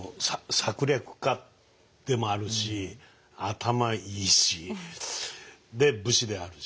策略家でもあるし頭いいしで武士であるし。